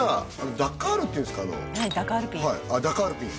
ダッカールピン